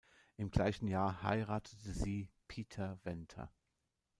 Im gleichen Jahr heiratete sie Pieter Venter.